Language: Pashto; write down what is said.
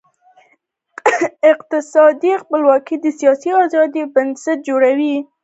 اقتصادي خپلواکي د سیاسي آزادۍ بنسټ جوړوي.